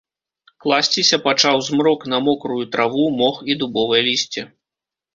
Класціся пачаў змрок на мокрую траву, мох і дубовае лісце.